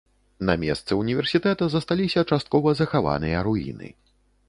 На месцы ўніверсітэта засталіся часткова захаваныя руіны.